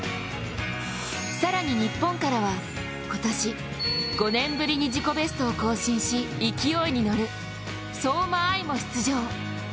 更に日本からは今年、５年ぶりに自己ベストを更新し勢いに乗る相馬あいも出場。